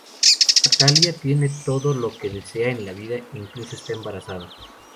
Natalia tiene todo lo que desea en la vida, incluso está embarazada.